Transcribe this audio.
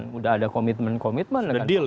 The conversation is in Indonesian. sudah ada komitmen komitmen dengan pak prabowo